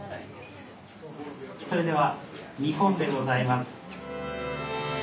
それでは弐献でございます。